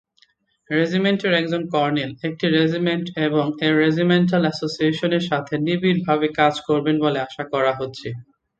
রেজিমেন্টের একজন কর্নেল একটি রেজিমেন্ট এবং এর রেজিমেন্টাল অ্যাসোসিয়েশনের সাথে নিবিড়ভাবে কাজ করবেন বলে আশা করা হচ্ছে।